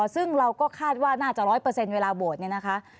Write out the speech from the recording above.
ซึ่งเราก็คาดว่าน่าจะ๑๐๐เวลาโหวตเนี่ยนะคะ